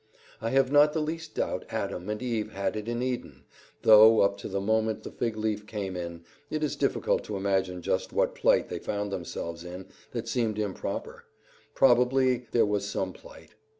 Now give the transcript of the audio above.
I have not the least doubt Adam and Eve had it in Eden; though, up to the moment the fig leaf came in, it is difficult to imagine just what plight they found themselves in that seemed improper; probably there was some plight.